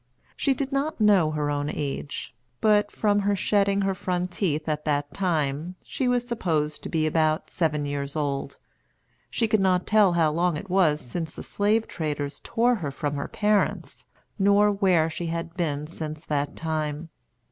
She did not know her own age, but, from her shedding her front teeth at that time, she was supposed to be about seven years old. She could not tell how long it was since the slave traders tore her from her parents, nor where she had been since that time.